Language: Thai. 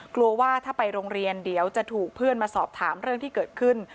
กลัวว่าถ้าไปโรงเรียนเดี๋ยวจะถูกเพื่อนมาสอบถามเรื่องที่เกิดขึ้น